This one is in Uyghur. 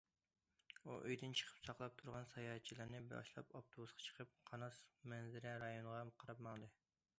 ئۇ ئۆيدىن چىقىپ ساقلاپ تۇرغان ساياھەتچىلەرنى باشلاپ ئاپتوبۇسقا چىقىپ، قاناس مەنزىرە رايونىغا قاراپ ماڭدى.